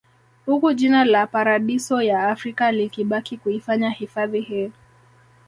Uku jina la paradiso ya Afrika likibaki kuifanya hifadhi hii